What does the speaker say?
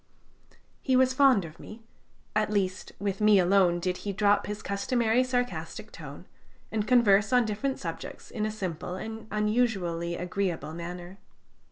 He was fond of me; at least, with me alone did he drop his customary sarcastic tone, and converse on different subjects in a simple and unusually agreeable manner.